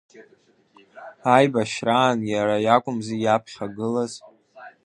Аибашьраан иара иакәымзи иаԥхьагылаз.